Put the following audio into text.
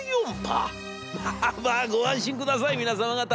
『まあまあご安心下さい皆様方。